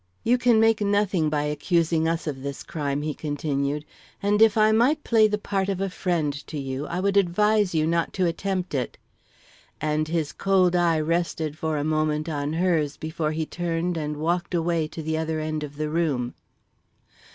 "You, can make nothing by accusing us of this crime," he continued; "and if I might play the part of a friend to you, I would advise you not to attempt it." And his cold eye rested for a moment on hers before he turned and walked away to the other end of the room.